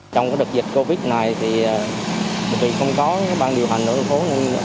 trong đợt dịch covid này tùy không có bang điều hành tổ dân phố